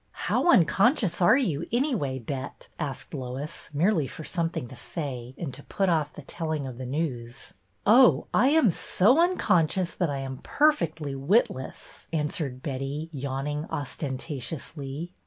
''How unconscious are you, anyway. Bet?" asked Lois, merely for something to say and to put ofif the telling of the news. " Oh, I am so unconscious that I am perfectly witless," answered Betty, yawning ostentatiously.